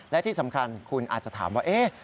และที่สำคัญคุณอาจจะถามว่า